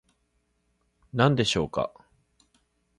何でしょうか